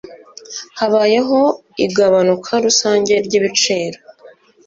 Habayeho igabanuka rusange ryibiciro.